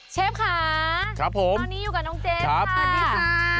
เชฟคะครับผมวันนี้อยู่กับน้องเจ๊ค่ะครับวันนี้ค่ะ